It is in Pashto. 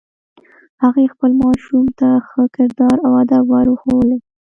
هغې خپل ماشوم ته ښه کردار او ادب ور ښوولی